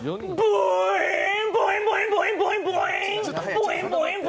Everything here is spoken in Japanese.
ブォイン！